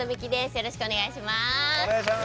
よろしくお願いします。